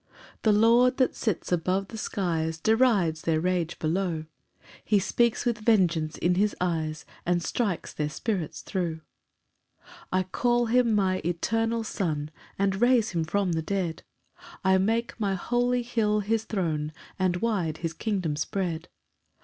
2 The Lord that sits above the skies, Derides their rage below, He speaks with vengeance in his eyes, And strikes their spirits thro'. 3 "I call him my Eternal Son, "And raise him from the dead; "I make my holy hill his throne, "And wide his kingdom spread.